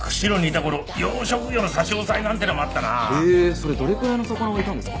それどれくらいの魚がいたんですか？